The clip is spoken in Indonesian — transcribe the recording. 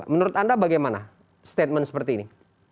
menurut anda bagaimana statement seperti ini